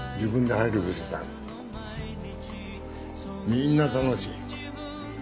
みんな楽しい。